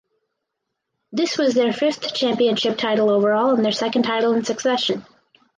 This was their fifth championship title overall and their second title in succession.